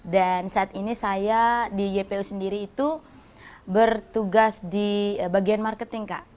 dan saat ini saya di ypu sendiri itu bertugas di bagian marketing kak